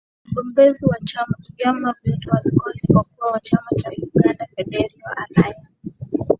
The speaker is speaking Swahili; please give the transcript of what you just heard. wagombezi wa vyama vyote walikuwa isipokuwa wa chama cha uganda federal allaince